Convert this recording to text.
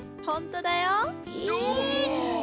ホントだよ。え！